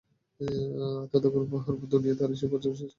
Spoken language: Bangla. আর তথাকার এক প্রহর দুনিয়ার তিরাশি বছর চার মাসের সমান।